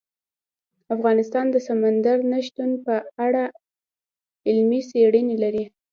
افغانستان د سمندر نه شتون په اړه علمي څېړنې لري.